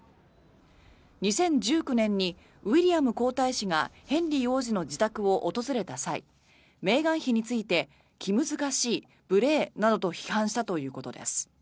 ２０１９年にウィリアム皇太子がヘンリー王子の自宅を訪れた際メーガン妃について気難しい、無礼などと批判したということです。